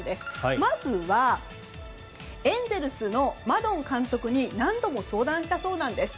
まずはエンゼルスのマドン監督に何度も相談したそうなんです。